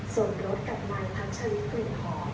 ส่งรถกับมันพักชฌาลิทตื่นหอม